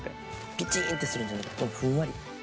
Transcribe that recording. ピチンってするんじゃなくてふんわり。